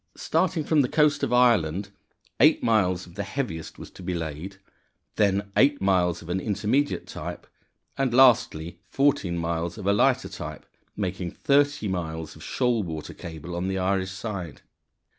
Starting from the coast of Ireland, eight miles of the heaviest was to be laid, then eight miles of an intermediate type, and lastly fourteen miles of a lighter type, making thirty miles of shoal water cable on the Irish side.